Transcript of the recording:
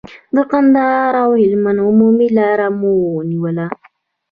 د کندهار او هلمند عمومي لار مو ونیوله.